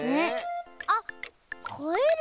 あっカエル？